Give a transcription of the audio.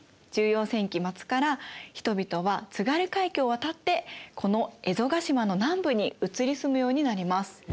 １４世紀末から人々は津軽海峡を渡ってこの蝦夷ヶ島の南部に移り住むようになります。